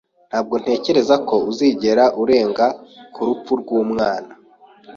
Ntabwo ntekereza ko uzigera urenga ku rupfu rw'umwana.